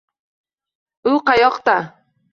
Uyqu qayoqda?